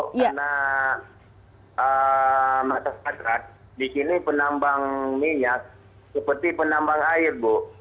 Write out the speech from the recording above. karena masyarakat di sini penambang minyak seperti penambang air bu